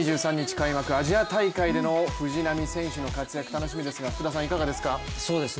開幕アジア大会での藤波選手の活躍楽しみですがいかがですか？